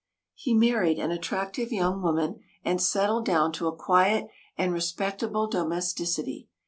He married an attractive young woman, and settled down to a quiet and respectable domesticity.